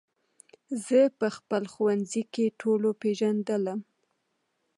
زه په خپل ښوونځي کې ټولو پېژندلم